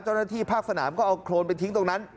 เจ้าหน้าที่ภาคสนามก็เอาโครนไปทิ้งตรงนั้น